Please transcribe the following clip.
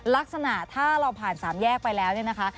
ลักษณะถ้าเราผ่านสามแยกไปแล้วเนี่ยนะคะ